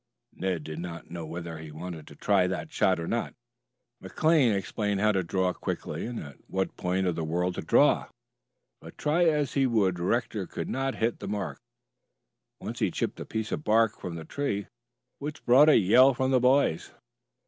Ned did not know whether he wanted to try that shot or not. McKay explained how to draw quickly and at what point of the whirl to draw, but try as he would Rector could not hit the mark. Once he chipped a piece of bark from the tree, which brought a yell from the boys.